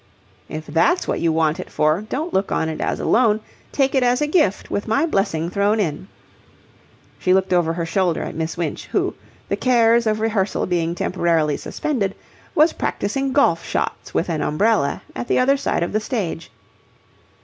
"If that's what you want it for, don't look on it as a loan, take it as a gift with my blessing thrown in." She looked over her shoulder at Miss Winch, who, the cares of rehearsal being temporarily suspended, was practising golf shots with an umbrella at the other side of the stage.